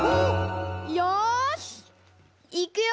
よしいくよ！